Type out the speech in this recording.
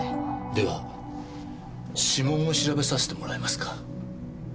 では指紋を調べさせてもらえますか？